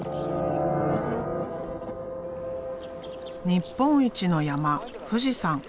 日本一の山富士山。